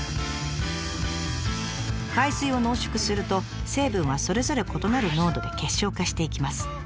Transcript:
海水を濃縮すると成分はそれぞれ異なる濃度で結晶化していきます。